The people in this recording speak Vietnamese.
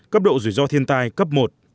cấp độ rủi ro thiên tai cấp một